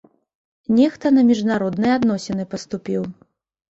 Нехта на міжнародныя адносіны паступіў.